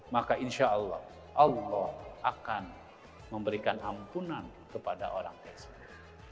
maka insya allah allah akan memberikan ampunan kepada orang tersebut